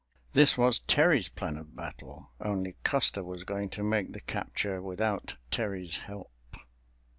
This was Terry's plan of battle, only Custer was going to make the capture without Terry's help.